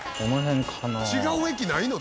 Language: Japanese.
違う駅ないの？